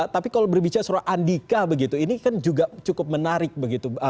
tapi kalau berbicara soal andika begitu ini kan juga cukup menarik begitu